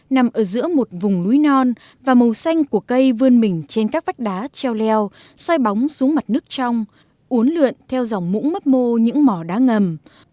nằm ở giữa một vùng núi non và màu xanh của cây vươn mình trên các vách đá treo leo xoay bóng xuống mặt nước trong uốn lượn theo dòng mũ mấp mô những mỏ đá ngầm